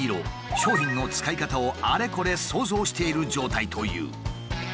商品の使い方をあれこれ想像している状態という。